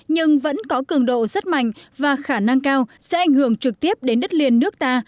nhưng vẫn có cường độ rất mạnh và khả năng cao sẽ ảnh hưởng trực tiếp đến đất liền nước ta